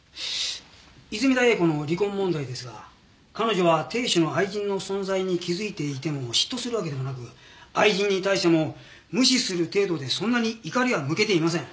泉田栄子の離婚問題ですが彼女は亭主の愛人の存在に気づいていても嫉妬するわけでもなく愛人に対しても無視する程度でそんなに怒りは向けていません。